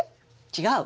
違う。